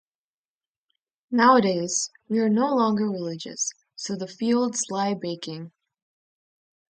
Nowadays we are no longer religious, so the fields lie baking.